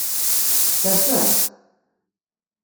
Terfamt?